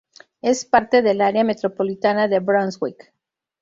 Es parte del área metropolitana de Brunswick.